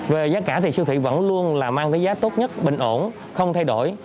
về giá cả thì siêu thị vẫn luôn là mang cái giá tốt nhất bình ổn không thay đổi